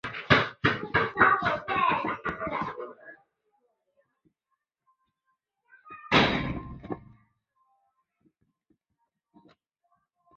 柳叶鳞球花为爵床科鳞球花属下的一个种。